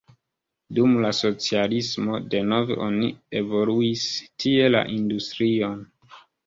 Dum la socialismo denove oni evoluis tie la industrion.